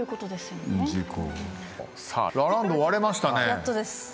ラランド割れましたね。